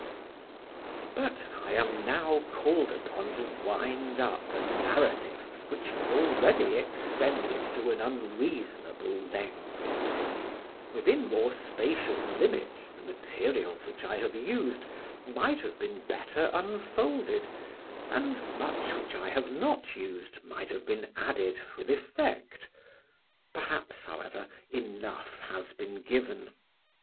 But I am now called upon to wind up a narrative which has already extended to an unreasonable length. Within more spacious limits the materials which I have used might have been better unfolded, and much which I have not used might have been added with effect. Perhaps, however, enough has been given.